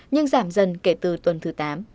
nhưng giảm dần kể từ tuần thứ tám